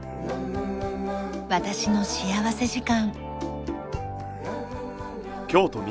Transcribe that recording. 『私の幸福時間』。